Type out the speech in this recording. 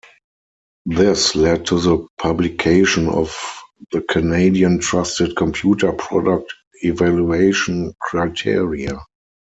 This led to the publication of the Canadian Trusted Computer Product Evaluation Criteria.